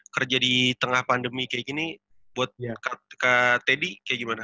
kerja di tengah pandemi kayak gini buat ya kak teddy kayak gimana